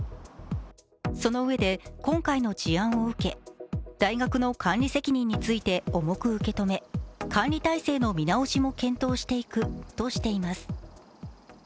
そのうえで、今回の事案を受け大学の管理責任について重く受け止め管理体制の見直しも検討していくとしています